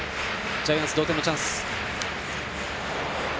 ジャイアンツは同点のチャンス。